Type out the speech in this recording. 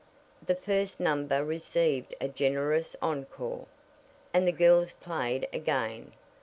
The first number received a generous encore, and the girls played again.